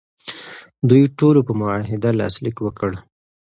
دوی ټولو په معاهده لاسلیک وکړ.